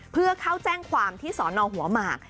เพื่อเข้าแจ้งความที่สอนอหัวหมาก